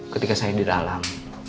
ketika saya di dalam